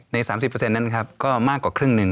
๓๐นั้นครับก็มากกว่าครึ่งหนึ่ง